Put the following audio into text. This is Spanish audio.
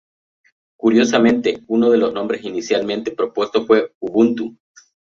Curiosamente, uno de los nombres inicialmente propuestos fue Ubuntu.